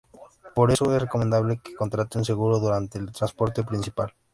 Por eso, es recomendable que contrate un seguro durante el transporte principal.